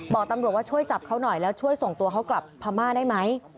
บอกตำรวจว่าช่วยจับเขาหน่อยแล้วช่วยส่งตัวเขากลับพม่าได้ไหม